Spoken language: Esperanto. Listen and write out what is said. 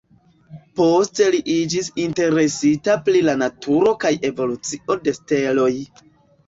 Poste li iĝis interesita pri la naturo kaj evolucio de steloj.